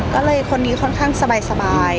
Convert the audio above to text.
ก็เลยคนนี้ค่อนข้างสบาย